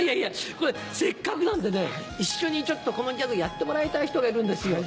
これせっかくなんでね一緒にこのギャグやってもらいたい人がいるんですよ。